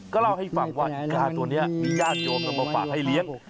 ก็เล่าให้ฟังว่ายาตัวนี้มีญาติโยมนำมาฝากให้เลี้ยง